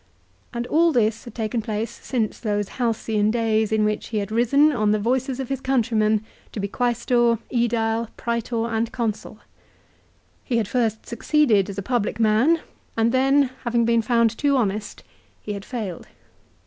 And all this had taken place since those halcyon days in which he had risen, on the voices of his countrymen, to be Qusestor, ^Edile, Prsetor and Consul. He had first succeeded as a public man, and then, having been found too honest, he had failed.